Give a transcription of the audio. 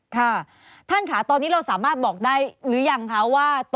ค่ะท่านค่ะตอนนี้เราสามารถบอกได้หรือยังคะว่า